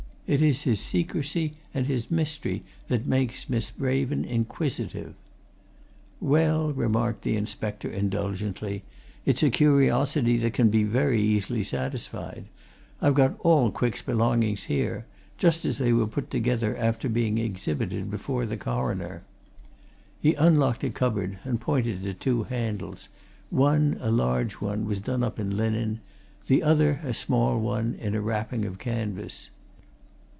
It is his secrecy, and his mystery, that makes Miss Raven inquisitive." "Well," remarked the inspector, indulgently, "it's a curiosity that can very easily be satisfied. I've got all Quick's belongings here just as they were put together after being exhibited before the coroner." He unlocked a cupboard and pointed to two bundles one, a large one, was done up in linen; the other, a small one, in a wrapping of canvas.